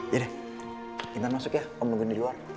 yaudah kita masuk ya om nungguin di luar